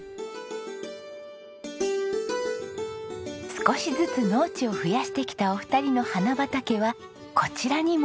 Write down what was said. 少しずつ農地を増やしてきたお二人の花畑はこちらにも。